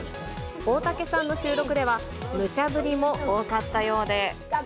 大竹さんの収録では、むちゃぶりも多かったようで。